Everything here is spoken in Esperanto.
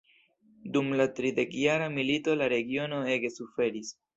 Dum la tridekjara milito la regiono ege suferis.